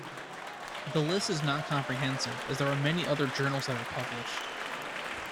The list is not comprehensive, as there are many other journals that are published.